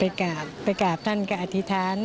ไปกราบไปกราบท่านกับอธิษฐาน